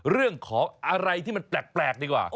เรื่องของอะไรที่มันแปลกดีกว่า